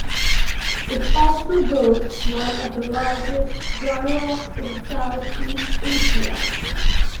It also boasts one of the largest dry docks in South East Asia.